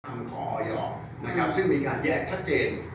ขอออยนะครับซึ่งมีการแยกชัดเจน